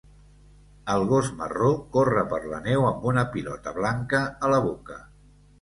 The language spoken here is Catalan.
El gos marró corre per la neu amb una pilota blanca a la boca.